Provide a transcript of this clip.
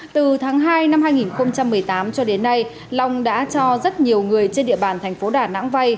từ tháng hai năm hai nghìn một mươi tám cho đến nay long đã cho rất nhiều người trên địa bàn tp đà nẵng vai